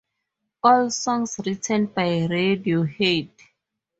All songs written by Radiohead.